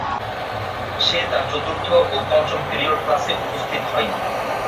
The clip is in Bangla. সে তার চতুর্থ ও পঞ্চম পিরিয়ড ক্লাসে উপস্থিত হয়নি।